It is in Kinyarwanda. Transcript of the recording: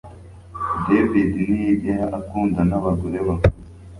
David ntiyigera akundana nabagore bakuze